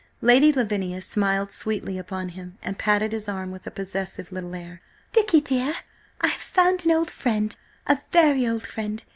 Lady Lavinia smiled sweetly upon him, and patted his arm with a possessive little air. "Dicky dear, I have found an old friend–a very old friend!